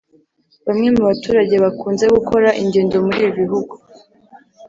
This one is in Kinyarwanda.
Bamwe mu baturage bakunze gukora ingendo muri ibi bihugu